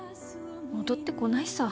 戻ってこないさ。